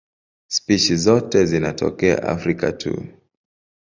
Spishi zote zinatokea Afrika tu.